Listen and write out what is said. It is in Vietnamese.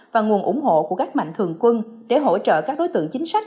và nguồn ủng hộ của các mạnh thường quân để hỗ trợ các đối tượng chính sách